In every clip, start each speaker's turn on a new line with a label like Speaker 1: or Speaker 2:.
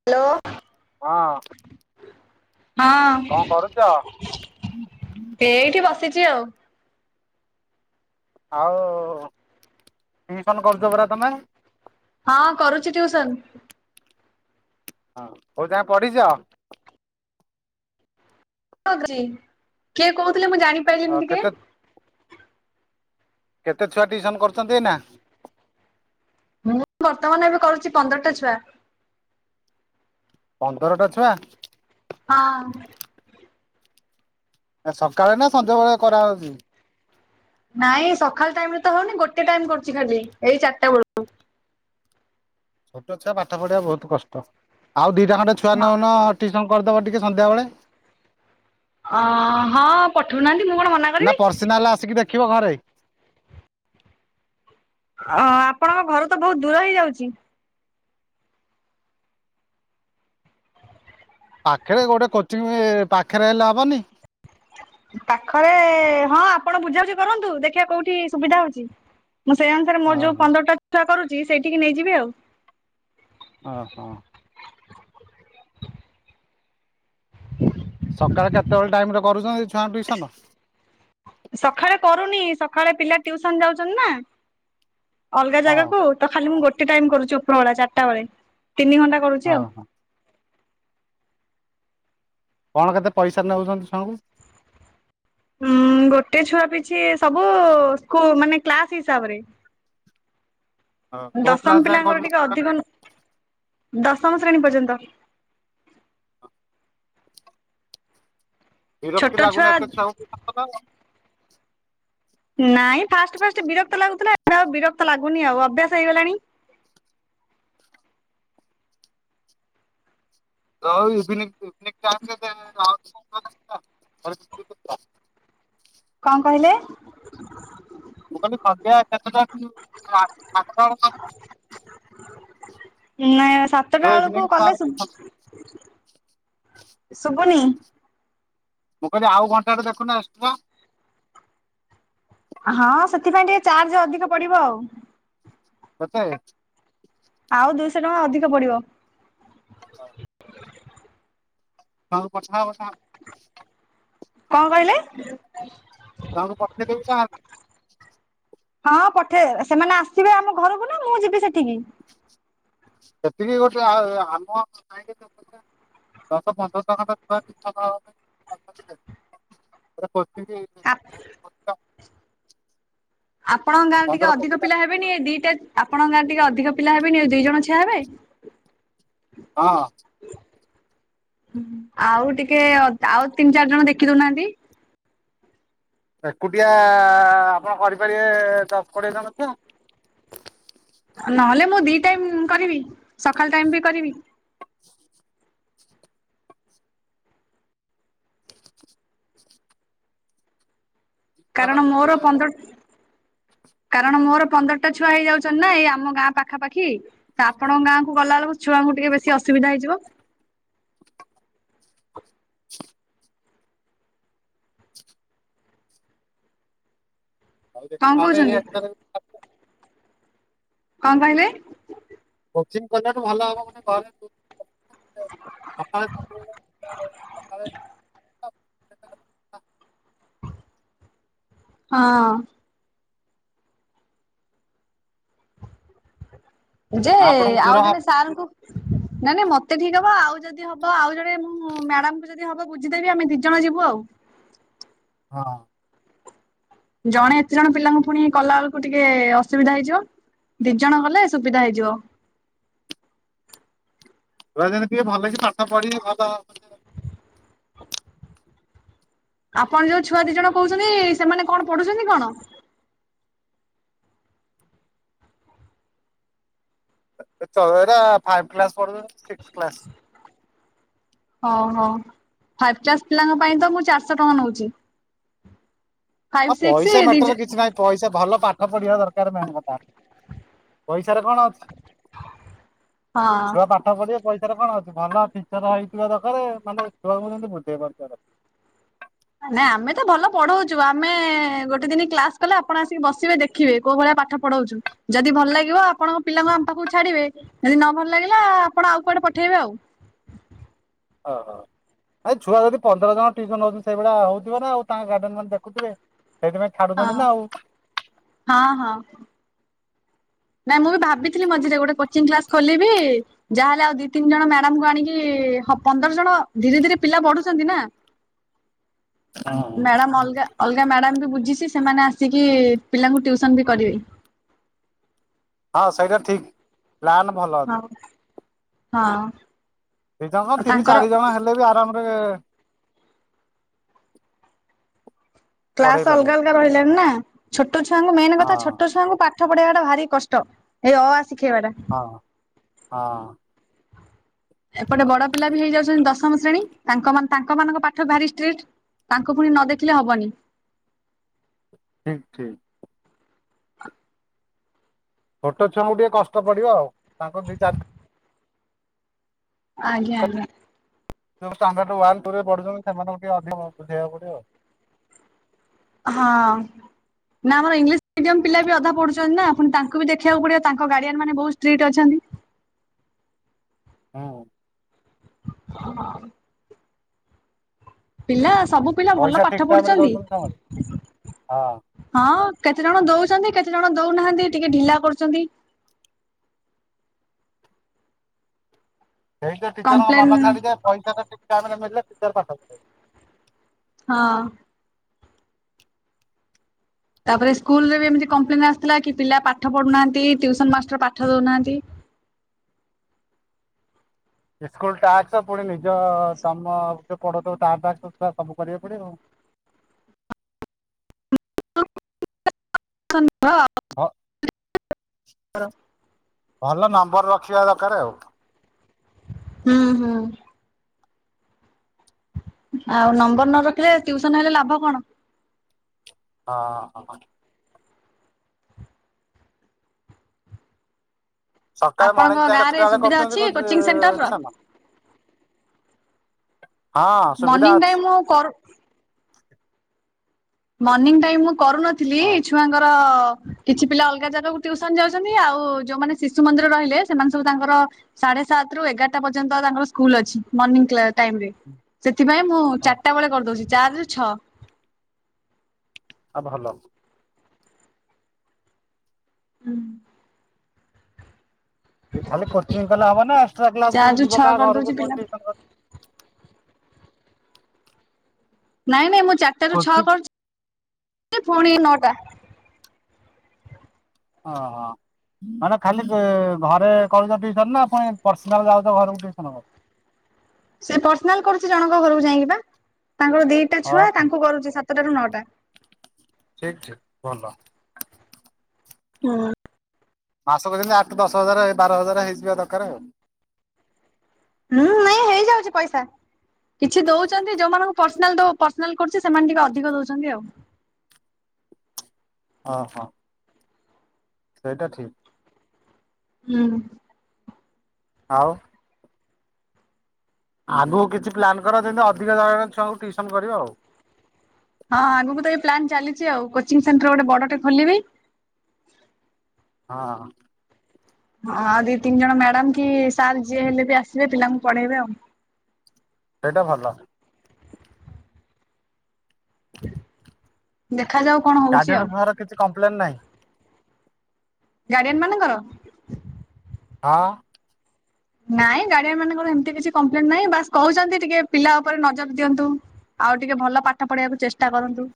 Speaker 1: Hello.
Speaker 2: ହଁ
Speaker 1: ହଁ
Speaker 2: କଣ କରୁଛ
Speaker 1: ଏଇଠି ବସିଛି ଆଉ।
Speaker 2: ଆଉ ଟ୍ୟୁସନ କରୁଛ ପରା ତମେ?
Speaker 1: ହଁ କରୁଛି ଟ୍ୟୁସନ୍।
Speaker 2: ହଁ କୋଉ ଯାଏଁ ପଢିଚ?
Speaker 1: [unintelligible] କିଏ କହୁଥିଲେ ମୁଁ ଜାଣିପାରିଲିନି ଟିକେ?
Speaker 2: କେତେ କେତେ ଛୁଆ ଟିଉସନ୍ କରୁଛନ୍ତି ଏଇନା?
Speaker 1: ମୁଁ ବର୍ତ୍ତମାନ ଏବେ କରୁଛି ପନ୍ଦରଟା ଛୁଆ।
Speaker 2: ପନ୍ଦରଟା ଛୁଆ।
Speaker 1: ହଁ
Speaker 2: ଏ ସକାଳେ ନା ସଞ୍ଜବେଳେ କରା ହେଉଛି?
Speaker 1: ନାଇଁ ସକାଳ ଟାଇମ୍ ରେ ତ ହୋଉନି ଗୋଟେ ଟାଇମ୍ କରୁଛି ଖାଲି ଏଇ ଚାରିଟା ବେଳକୁ।
Speaker 2: ଛୋଟ ଛୁଆ ପାଠ ପଢେଇବା ବୋହୁତ କଷ୍ଟ ଆଉ ଦିଇଟା ଖଣ୍ଡେ ଛୁଆ ନେଉନ ଟ୍ୟୁସନ୍ କରିଦବ ଟିକେ ସନ୍ଧାବେଳେ।
Speaker 1: ଅ ହଁ ପଠଉନାହାନ୍ତି ମୁଁ କଣ ମନା କରିବି।
Speaker 2: ତାହାଲେ ଆସିକି ଦେଖ ଖିବ ଘରେ।
Speaker 1: ଅ ଆପଣଙ୍କ ଘରୁ ତ ବୋହୁତ ଦୂର ହେଇଯାଉଛି।
Speaker 2: ପାଖରେ ଗୋଟେ କୋଚିଙ୍ଗ ପାଖରେ ହେଲେ ହବନି?
Speaker 1: ପାଖରେ ହଁ ଆପଣ ବୁଝାବୁଝି କରନ୍ତୁ ଦେଖିବା କୋଉଠି ସୁବିଧା ହୋଉଛି। ମୁଁ ସେଇ ଅନୁସାରେ ମୋର ଯୋଉ
Speaker 2: ଓହୋ
Speaker 1: ପନ୍ଦରଟା ଛୁଆ କରୁଛି ସେଇଠିକି ନେଇଯିବି ଆଉ।
Speaker 2: ଓ ହୋ
Speaker 1: [inaudible]
Speaker 2: ସକାଳେ କେତେବେଳେ ଟାଇମ୍ ରେ କରୁଛନ୍ତି ଛୁଆଙ୍କ ଟ୍ୟୁସନ?
Speaker 1: ସକାଳେ କରୁନି ସକାଳେ ପିଲା ଟ୍ୟୁସନ୍ ଯାଉଛନ୍ତି ନା। ଅଲଗା
Speaker 2: ହଁ
Speaker 1: ଜାଗାକୁ ତ ଖାଲି ମୁଁ ଗୋଟେ ଟାଇମ୍ କରୁଛି ଉପରବେଳା ଚାରିଟା ବେଳେ ତିନି ଘଣ୍ଟା କରୁଛି
Speaker 2: ହଁ
Speaker 1: ଆଉ।
Speaker 2: ହଁ କଣ କେତେ ପଇସା ନେଉଛନ୍ତି ଛୁଆଙ୍କୁ?
Speaker 1: ଉଁ ଗୋଟେ ଛୁଆ ପିଛେ ସବୁ ସ୍କୁ ମାନେ କ୍ଲାସ ହିସାବ ରେ।
Speaker 2: କୋଉ
Speaker 1: ଦଶମ
Speaker 2: କ୍ଲାସ ଯାଏଁ
Speaker 1: ପିଲାଙ୍କର ଟିକେ
Speaker 2: କରୁଛନ୍ତି
Speaker 1: ଅଧିକ ନେ ଦଶମ ଶ୍ରେଣୀ ପର୍ଯ୍ୟନ୍ତ। ଛୋଟ
Speaker 2: ବିରକ୍ତି
Speaker 1: ଛୁଆ
Speaker 2: ଲାଗୁନି ଏତେ ଛୁଆଙ୍କୁ ଟ୍ୟୁସନ୍ କଲାବେଳକୁ?
Speaker 1: ନାଇଁ ଫାଷ୍ଟ୍ ଫାଷ୍ଟ୍ ବିରକ୍ତ ଲାଗୁଥିଲା। ଏବେ ଆଉ ବିରକ୍ତ ଲାଗୁନି ଆଉ ଅଭ୍ୟାସ ହେଇଗଲାଣି।
Speaker 2: [unintelligible]
Speaker 1: କଁ କହିଲେ?
Speaker 2: କ କହିଲି ସନ୍ଧ୍ୟା କେତେ ଟା ରେ ଫ୍ରି ହେଉଛି? ରାତି ସାତଟା ବେଳକୁ [unintelligible]
Speaker 1: ନାଁ ସାତଟା
Speaker 2: ଯୋଉ
Speaker 1: ବେଳକୁ
Speaker 2: ଇଭିନିଂ
Speaker 1: କଲେ
Speaker 2: ମୁଁ
Speaker 1: ସୁବ ଶଭୁନି।
Speaker 2: ମୁଁ କହିଲି ଆଉ ଘଣ୍ଟା ଟେ ଦେଖୁନ ଏକ୍ସଟ୍ରା।
Speaker 1: ହଁ ସେଥିପାଇଁ ଟିକେ ଚାର୍ଜ ଅଧିକ ପଡିବ ଆଉ।
Speaker 2: ସତେ।
Speaker 1: ଆଉ ଦୁଇଶହ ଟଙ୍କା ଅଧିକ ପଡିବ।
Speaker 2: ହ ଉଁ। ଛୁଆଙ୍କୁ ପଠାହବ ସାର୍।
Speaker 1: କଁ କହିଲେ?
Speaker 2: ଛୁଆଙ୍କୁ ପଠେଇ ଦେବି ସାର୍।
Speaker 1: ହଁ ପଠେଇଦେବେ ସେମାନେ ଆସିବେ ଆମ ଘରକୁ ନା ମୁଁ ଯିବି ସେଠିକି?
Speaker 2: ସେତିକି ଗୋଟେ ଆ ଆମ ଆ କାହିଁକି [inaudible] ଦଶ ପନ୍ଦରଣ ଟଙ୍କା ତ [unintelligible] ସେଟା ପୋଛିକି
Speaker 1: ଆ।
Speaker 2: ଓଟ।
Speaker 1: ଆପଣଙ୍କ ଗାଁରେ ଟିକେ ଅଧିକ ପିଲା ହେବେନି ଏ ଦିଟା ଆପଣ ଗାଁରେ ଟିକେ ଅ ଟିକ ପିଲା ହେବେନି ଦି ଜଣ ଛିଆ ହେବେ?
Speaker 2: ହଁ।
Speaker 1: ହୁଁ ଆଉ ଟିକେ ଅ ଆଉ ତିନି ଚାରି ଜଣ ଦେଖି ଦେଖିଦଉନାହାଁନ୍ତି।
Speaker 2: ଏକୁଟିଆ ଆପଣ କରିପାରିବେ ଦଶ୍ କୋଡିଏ ଜଣ ଛୁଆ?
Speaker 1: ନହେଲେ ମୁଁ ଦି ଟାଇମ୍ କରିବି ସକାଳ ଟାଇମ୍ ବି କରିବି।
Speaker 2: ଦି ଜଣ
Speaker 1: କାରଣ ମୋର
Speaker 2: ଟିଚର୍ ହେଲେ
Speaker 1: ପନ୍ଦର କାରଣ ମୋର ପନ୍ଦରଟା ଛୁଆ ହେଇ‌ ଯାଉଛନ୍ତି ନା ଏଇ ଆମ ଗାଁ ପାଖାପାଖି ତ ଆପଣଙ୍କ ଗାଁକୁ ଗଲାବେଳକୁ ଛୁଆଙ୍କୁ ଟିକେ ବେଶୀ ଅସୁବିଧା ହେଇଯିବ।
Speaker 2: [unintelligible]
Speaker 1: କଣ କହୁଛନ୍ତି
Speaker 2: [unintelligible]
Speaker 1: କଁ କହିଲେ?
Speaker 2: କୋଚିଂ କଲାଠୁ ଭଲ ହବ [unintelligible] ସକାଳେ
Speaker 1: [unintelligible] ହଁ। ଯେ
Speaker 2: ନା ଆପଣଙ୍କୁ ଦୂର
Speaker 1: ଆଉ
Speaker 2: ହବ
Speaker 1: ଜଣେ ସାର୍ ଙ୍କୁ ନାଇଁ ନାଇଁ ମତେ ଠିକ୍ ହବ ଆଉ ଜ ଦି ହବ ଆଉ ଜଣେ ମୁଁ ମ୍ୟାଡାମ୍ ଙ୍କୁ ଯଦି ହବ ବୁଝିଦେବି ଆମେ ଦି ଜଣ ଯିବୁ ଆଉ।
Speaker 2: ହଁ।
Speaker 1: ଜଣେ ଏତେ ଜଣ ପିଲାଙ୍କୁ ଫୁଣି କଲା ବେଳକୁ ଟିକେ ଅସୁବିଧା ହେଇଯିବ। ଦି ଜଣ ଗଲେ ସୁବିଧା ହେଇଯିବ।
Speaker 2: ପୁରା ଯେମତି ଭଲ କିି ପାଠ ପଢିକି ଭଲ
Speaker 1: ଆପଣ ଯୋଉ ଛୁଆ ଦି ଜଣ କହୁଛନ୍ତି ସେମାନେ କଣ ପଢୁଛନ୍ତି କଣ?
Speaker 2: ତଳ ଜରା ଫାଇପ୍ କ୍ଲାସ ପଢୁଚନ୍ତି ସିକ୍ସ କ୍ଲାସ।
Speaker 1: ହଁ ହଁ ଫାଇବ କ୍ଲାସ୍ ପିଲାଙ୍କ ପାଇଁ ତ ମୁଁ ଚାରିସ ଟଙ୍କା ନଉଚି।
Speaker 2: ଆଉ
Speaker 1: ଫାଇଭ୍ ସିକ୍ସି
Speaker 2: ପଇସା ମ୍ୟାଟର
Speaker 1: ଦିଜ୍
Speaker 2: କିଛି ନାହିଁ ପଇସା ଭଲ ପାଠ ପଢିବା ଦରକାର ମେନ୍ କଥା ପଇସାରେ କଣ ଅଛି?
Speaker 1: ହଁ।
Speaker 2: ଛୁଆ ପା ପଢିବେ ପଇସାରେ କଣ ଅଛି ଭଲ ଫିଚର ହେଇଥିବା ଦରକାରେ ମାନେ ଛୁଆଙ୍କୁ ଯେମିତି ବୁଝେଇ ପାରୁଥିବା ଦର
Speaker 1: ନାଇଁ ଆମେ ତ ଭଲ ପଢଉଚୁ ଆମେ ଗୋଟେ ଦିନ କ୍ଲାସ କଲେ ଆପଣ ଆସିକି ବସିବେ ଦେ ଖିବେ କୋଉ ଭଳିଆ ପାଠ ପଢଉଛୁ ଯଦି ଭଲ ଲାଗିବ ଆପଣଙ୍କ ପିଲାଙ୍କୁ ଆମ ପାଖକୁ ଛାଡିବେ। ଯଦି ନ ଭଲ ଲାଗିଲା ଆପଣ ଆଉ କୁଆଡେ ପଠେଇବେ ଆଉ।
Speaker 2: ହ ହ। ନାଇଁ ଛୁଆ ଯଦି ପନ୍ଦର ଜଣ ଟ୍ୟୁସନ ହଉଛନ୍ତି ସେଇଭଳିଆ ହଉଥିବ ନା ଆଉ ତାଙ୍କ ଗାର୍ଡିଆନ୍ ମାନେ ଦେଖୁଥିବେ ସେଇଥିପାଇଁ ଛାଡୁଛନ୍ତି
Speaker 1: ହଁ
Speaker 2: ନା ଆଉ।
Speaker 1: ହଁ ହଁ। ନାଇଁ ମୁଁ ଭାବିଥିଲି ମଝିରେ ଗୋଟେ କୋଚିଂ କ୍ଲାସ ଖୋଲିବି। ଯାହାହେଲେ ଆଉ ଦି ତିନିଜଣ ମ୍ୟାଡାମ୍ ଙ୍କୁ ଆଣିକି ପନ୍ଦର ଜଣ ଧୀରେ ଧୀରେ ପିଲା ବଢୁଛନ୍ତି ନା।
Speaker 2: [unintelligible] ହୁଁ
Speaker 1: ମ୍ୟାଡ଼ାାମ୍ ଅଲ୍ ଗା ଅଲ୍ଗା ମ୍ୟାଡ଼ାମ୍ ବି ବୁଝିଛି ସେମାନେ ଆସିକି ପିଲାଙ୍କୁ ଟ୍ୟୁସନ୍ ବି କରିବେ।
Speaker 2: ହଁ ସେଇଟା ଠିକ୍। ପ୍ଲାନ୍ ଭଲ।
Speaker 1: ହଁ ହଁ।
Speaker 2: ଦିଜଣ ତିନି
Speaker 1: ତାଙ୍କର
Speaker 2: ଚାରି ଜଣ ହେଲେ ବି ଆରାମ। ହଁ [unintelligible]
Speaker 1: କ୍ଲସ ଅଲଗା ଅଲଗା ରହିଲାଣି ନା ଛୋଟ ଛୁଆଙ୍କୁ ମେନ
Speaker 2: ହଁ
Speaker 1: କଥା ଛୋଟ ଛୁଆଙ୍କୁ ପା ଠ ପଢେଇବାଟା ଭାରି କଷ୍ଟ ଏଇ ଅ ଆ ଶିଖେଇବା ଟା।
Speaker 2: ହଁ ହ।
Speaker 1: ଏପଟେ ବଡ ପିଲା ବି ହେଇଯାଉଛନ୍ତି ଦଶମ ଶ୍ରେଣୀ ତାଙ୍କ ମାନ ତାଙ୍କ ମାନଙ୍କ ପାଠ ଭାରିଷ୍ଟ୍ରିଟ୍। ତାଙ୍କୁ ପୁଣି ନ ଦେଖିଲେ ହବନି।
Speaker 2: ଠିକ୍ ଠିକ୍। ଛୋଟ ଛୁଆଙ୍କୁ ଟିକେ କଷ୍ଟ ପଡିବ ଆଉ ତାଙ୍କ ଦି ଚାର
Speaker 1: ଆଜ୍ଞା ଆଜ୍ଞା।
Speaker 2: ଯୋଉ ଷ୍ଟାଣ୍ଡାର୍ଡ ୱାନ୍ ଟୁ ରେ ପଢୁଛନ୍ତି ସେମାନଙ୍କୁ ଟିକେ ଅଧିକ ବୁଝେଇବାକୁ ପଡିବ।
Speaker 1: ହଁଅ। ନା ଆମର ଇଂଲିସ୍ ମିଡିୟମ୍ ପିଲା ବି ଅଧା ପଢୁଛନ୍ତି ନା ଆପଣ ତାଙ୍କୁ ବି ଦେଖିବାକୁ ପଡିବ ତାଙ୍କ ଗାଡିଆନ ମାନେ ବହୁତ ଷ୍ଟ୍ରିଟ୍ ଅଛନ୍ତି।
Speaker 2: ହଉ।
Speaker 1: ହଁ ହଉ। ପିଲା ସବୁ ପିଲା ଭଲ
Speaker 2: ପଇସା ଠିକ
Speaker 1: ପାଠ
Speaker 2: ଟାଇମ ରେ ଦଉଛନ୍ତି ସେମାନେ
Speaker 1: ପଢୁଛନ୍ତି।
Speaker 2: ହଁ
Speaker 1: ହଁ କେତେ ଜଣ ଦଉଛନ୍ତି କେତେ ଜଣ ଦଉନାହାନ୍ତି ଟିକେ ଢିଲା କରୁଛନ୍ତି।
Speaker 2: ସେଇତ ଟିଚରଙ୍କ
Speaker 1: କମ୍ପ୍ଲେନ
Speaker 2: ମନ ଛାଡିଯାଏ ପଇସା ଟା ଠିକ ଟାଇମ ରେ ମିଳିଲେ ଟିଚର ପାଠ ପଢେଇବେ।
Speaker 1: ହଁଅ। ତାପରେ ସ୍କୁଲ ରେ ବି ଏମିତି କମ୍ପ୍ଲେନ୍ ଆସିଥିଲା କି ପିଲା ପାଠ ପଢୁନାହାନ୍ତି ଟ୍ୟୁସନ ମାଷ୍ଟର ପାଠ ଦଉନାହାନ୍ତି।
Speaker 2: ସ୍କୁଲ ଟାସ୍କ ପୁଣି ନିଜ ତମ ଯେ ପଢଉ ଥିବ ତା ଟାସ୍କ ତ ସବୁ କରିବାକୁ ପଡିବ ଆଉ। ଆଉ
Speaker 1: [inaudible]
Speaker 2: ଭଲ ନମ୍ବର ରଖିବା ଦରକାରେ ଆଉ।
Speaker 1: ହୁଁ ହୁଁ। ଆଉ ନମ୍ବର ନ ରଖିଲେ ଟିୟୁସନ ହେଲେ ଲାଭ କଣ।
Speaker 2: ହଁଅ ହଁ। ସକାଳେ
Speaker 1: ଆପଣଙ୍କ
Speaker 2: ମଣିଙ୍ଗ ଟାଇମ ଟା
Speaker 1: ଗାଁ ରେ
Speaker 2: କେତୁଟା ବେଳେ
Speaker 1: ସୁବିଧା ଅଛି କୋଚିଂ ସେଣ୍ଟର
Speaker 2: କରୁଛନ୍ତି
Speaker 1: ର?
Speaker 2: ଟିଉସନ? ହଁ ସୁବିଧା ଅଛି।
Speaker 1: ହଁ କରୁ ମର୍ନିଙ୍ଗ ଟାଇମ ମୁଁ କରୁନଥିଲି
Speaker 2: ହଁ
Speaker 1: ଏ ଛୁଆଙ୍କର କିଛି ପିଲା ଅଲଗା ଜାଗାକୁ ଟ୍ୟୁସନ ଯାଉଛନ୍ତି ଆଉ ଯୋଉମାନେ ଶିଶୁ ମନ୍ଦିର ରହିଲେ ସେମାନେ ସବୁ ତାଙ୍କର ସାଢେ ସାତ ରୁ ଏଗାରଟା ପର୍ଯ୍ୟନ୍ତ ତାଙ୍କର ସ୍କୁଲ ଅଛି ମର୍ନିଙ୍ଗ କ୍ଲା ଟାଇମ ରେ ସେଥି ପାଇଁ ମୁଁ
Speaker 2: ହଁ
Speaker 1: ଚାରିଟା ବେଳେ କରିଦଉଛି ଚାର ରୁ ଛଅ।
Speaker 2: ଆ ଭଲ।
Speaker 1: ହୁଁ।
Speaker 2: ଖାଲି କୋଚିଂ କଲେ ହବ ନା ଏକ୍ସଟ୍ରା କ୍ଲାସ
Speaker 1: ଚାରି
Speaker 2: ପୁଣି
Speaker 1: ରୁ
Speaker 2: ଯିବ
Speaker 1: ଛଅ
Speaker 2: କାହା
Speaker 1: କରିଦଉଛି
Speaker 2: ଘରକୁ
Speaker 1: ପିଲା
Speaker 2: ପୁଣି ଟିଉସନ କରି।
Speaker 1: ନାଇଁ ନାଇଁ ମୁଁ ଚାରିଟା ରୁ ଛଅ
Speaker 2: କୋଚିଂ
Speaker 1: କରୁଛି ଫୁଣି ନଅଟା।
Speaker 2: ଓହୋ। ମାନେ ଖାଲି ଘରେ କରୁଛ ଟିଉସନ ନା ଫୁଣି ପର୍ସନାଲ ଯାଉଛ ଘରକୁ ଟିଉସନ କରି।
Speaker 1: ସେ ପର୍ସନାଲ କରୁଛି ଜଣଙ୍କ ଘରକୁ ଯାଇକି ବା ତାଙ୍କର ଦିଟା
Speaker 2: ହଁ
Speaker 1: ଛୁଆ
Speaker 2: ଠିକ
Speaker 1: ତାଙ୍କୁ କରୁଛି ସାତଟା ରୁ ନଅଟା।
Speaker 2: ଠିକ୍ ଠିକ୍ ଭଲ।
Speaker 1: ହଁ।
Speaker 2: ମାସକ ଯେମିତି ଆଠ ଦଶ ହଜାରେ ବାର ହଜାରେ ହେଇଯିବା ଦରକାର ଆଉ।
Speaker 1: ହୁଁ ନାଇଁ ହେଇଯାଉଚି ପଇସା। କିଛି ଦଉଛନ୍ତି ଯୋଉମାନଙ୍କୁ ପର୍ସନାଲ ଦୋ ପର୍ସନାଲ କରୁଛି ସେମାନେ ଟିକେ ଅଧିକ ଦଉଛନ୍ତି ଆଉ।
Speaker 2: ଓହୋ। ସେଇଟା ଠିକ୍।
Speaker 1: ହୁଁ।
Speaker 2: ଆଉ ଆଗକୁ କିଛି ପ୍ଲାନ୍ କର ଯେମତି ଅଧିକ ଜଣଣ ଛୁଆଙ୍କୁ ଟିଉସନ କରିବ ଆଉ।
Speaker 1: ହଁ ଆଗକୁ ତ ଏଇ ପ୍ଲାନ୍ ଚାଲିଛି ଆଉ କୋଚିଂ ସେଣ୍ଟର ଗୋଟେ ବଡଟେ ଖୋଲିବି।
Speaker 2: ହଁ।
Speaker 1: ହଁ, ଆଉ ଦି ତିନି ଜଣ ମ୍ୟାଡାମ କି ସାର୍ ଯିଏ ହେଲେ ବି ଆସିବେ ପିଲାଙ୍କୁ ପଢେଇବେ ଆଉ।
Speaker 2: ସେଇଟା ଭଲ।
Speaker 1: ଦେଖାଯାଉ କଣ ହଉଛି
Speaker 2: ଗାର୍ଡିଆନ୍
Speaker 1: ଆଉ
Speaker 2: ଙ୍କର କିଛି କମ୍ପ୍ଲେନ୍ ନାହିଁ?
Speaker 1: ଗାର୍ଡିଆନ୍ ମାନଙ୍କର?
Speaker 2: ହଁ।
Speaker 1: ନାଇଁ ଗାର୍ଡିଆନ୍ ମାନଙ୍କର ଏମିତି କିଛି କମ୍ପ୍ଲେନ ନାହିଁ, ବାସ୍ କହୁଛନ୍ତି ଟିକେ ପିଲା ଉପରେ ନଜର ଦିଅନ୍ତୁ। ଆଉ ଟିକେ ଭଲ ପାଠ ପଢେଇବାକୁ ଚେଷ୍ଟା କରନ୍ତୁ।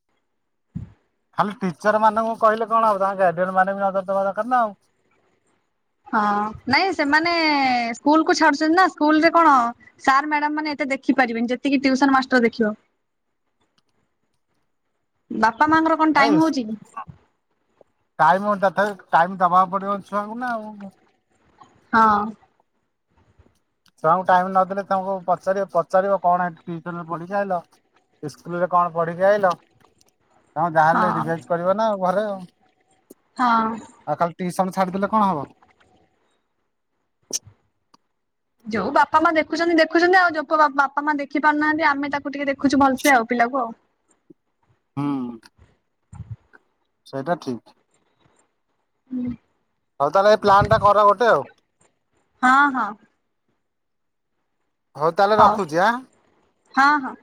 Speaker 2: ଖାଲି ଟିଚର ମାନଙ୍କୁ କହିଲେ କଣ ହବ, ତାଙ୍କ ଗାର୍ଡିଆନ ମାନେ ବି ନଜର ଦବା ଦରକାର ନା ଆଉ।
Speaker 1: ହଁ ନାଇଁ ସେମାନେ ସ୍କୁଲ କୁ ଛାଡୁଛନ୍ତି ନା, ସ୍କୁଲ ରେ କଣ ସାର୍ ମ୍ୟାଡାମ ମାନେ ଏତେ ଦେଖିପାରିବେନି, ଯେତିକି ଟିଉସନ ମାଷ୍ଟର ଦେଖିବ। ବାପା ମା ଙ୍କର କଣ
Speaker 2: ଏଇ
Speaker 1: ଟାଇମ ହଉଛି କି।
Speaker 2: ଟାଇମ ହଉନି ତଥାପି ଟାଇମ ଦବାକୁ ପଡିବ ଛୁଆଙ୍କୁ ନା ଆଉ।
Speaker 1: ହଁ।
Speaker 2: ଛୁଆଙ୍କୁ ଟାଇମ ନଦେଲେ ତାଙ୍କୁ ପଚାରିବ ପଚାରିବ କଣ ହେଠୁ ଟିଉସନ ରେ ପଢିକି ଆଇଲ। ଇସ୍କୁଲରେ କଣ ପଢିକି ଆଇଲ ତମେ
Speaker 1: ହଁ
Speaker 2: ଯାହାହେଲେ ରିଭାଇଜ କରିବ ନା ଆଉ ଘରେ।
Speaker 1: ହଁ।
Speaker 2: ଆଉ ଖାଲି ଟିଉସନ ଛାଡିଦେଲେ କଣ ହବ।
Speaker 1: ଯୋଉ ବାପା ମା ଦେଖୁଛନ୍ତି ଦେଖୁଛନ୍ତି, ଆଉ ଯୋଉ ବାପା ମା ଦେଖି ପାରୁନାହାନ୍ତି, ଆମେ ତାକୁ ଟିକେ ଦେଖୁଛୁ ଭଲସେ ଆଉ ପିଲାକୁ ଆଉ।
Speaker 2: ହୁଁ। ସେଇଟା ଠିକ।
Speaker 1: ହୁଁ।
Speaker 2: ହଉ ତାହାଲେ ଏଇ ପ୍ଲାନ୍ ଟା କର ଗୋଟେ ଆଉ।
Speaker 1: ହଁ ହଁ
Speaker 2: ହଉ ତାହେଲେ ରଖୁଛି ଆଁ।
Speaker 1: ହଁ ହଁ।